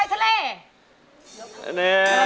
หล่น